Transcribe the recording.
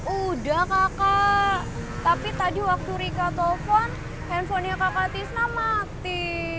udah kakak tapi tadi waktu rika telepon handphonenya kakak tisna mati